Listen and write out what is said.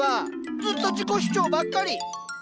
ずっと自己主張ばっかり。